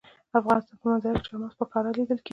د افغانستان په منظره کې چار مغز په ښکاره لیدل کېږي.